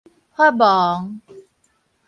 法盲